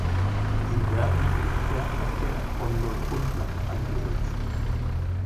Sie werden im Fährverkehr von Neufundland eingesetzt.